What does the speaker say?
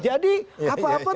jadi apa apa tergantung apbd